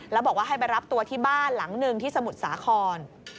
แล้วบอกว่าให้ไปรับตัวที่บ้านหลังหนึ่งที่สมุทรสาคร